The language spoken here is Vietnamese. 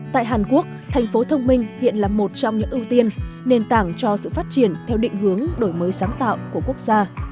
tại hàn quốc thành phố thông minh hiện là một trong những ưu tiên nền tảng cho sự phát triển theo định hướng đổi mới sáng tạo của quốc gia